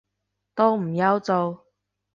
都唔憂做